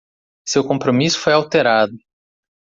Seu compromisso foi alterado.